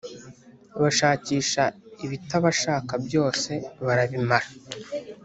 Bashakisha ibitabashaka byose barabimara